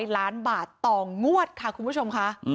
ล้านบาทต่องวดค่ะคุณผู้ชมค่ะ